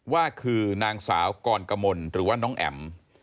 ว่าคือนางสาวกรกมลหรือว่าน้องแอ๋ม